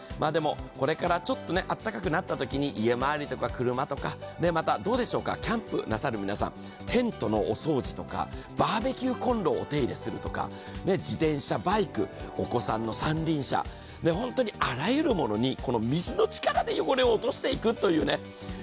これからちょっとあったかくなったときに家周りとか車とかまたキャンプなさる皆さん、テントのお掃除とかバーベキューコンロをお手入れするとか、自転車、バイク、お子さんの三輪車、本当にあらゆるものにこの水の力で汚れを落としていくというね。